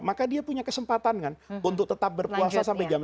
maka dia punya kesempatan untuk tetap berpuasa sampai jam sepuluh